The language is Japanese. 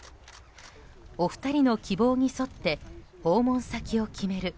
お二人の希望に沿って訪問先を決める